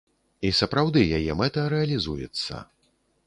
І сапраўды, яе мэта рэалізуецца.